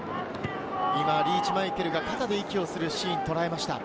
リーチ・マイケルが肩で息をするシーンをとらえました。